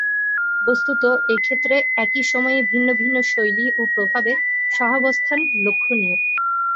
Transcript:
বস্ত্তত, এক্ষেত্রে একই সময়ে ভিন্ন ভিন্ন শৈলী ও প্রভাবের সহাবস্থান লক্ষণীয়।